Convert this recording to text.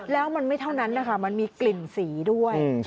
แล้วมันไม่เท่านั้นนะคะมันมีกลิ่นสีด้วย